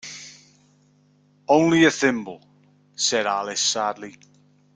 ‘Only a thimble,’ said Alice sadly.